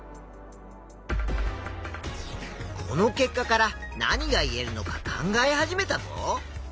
この結果から何がいえるのか考え始めたぞ。